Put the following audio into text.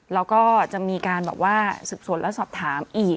แล้วก็จะมีการสึกสนและสอบถามอีก